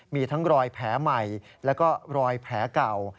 มีทั้งรอยแผลใหม่แล้วก็รอยแผลเก่า